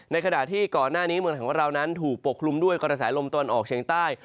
ขณะที่ก่อนหน้านี้เมืองของเรานั้นถูกปกคลุมด้วยกระแสลมตะวันออกเชียงใต้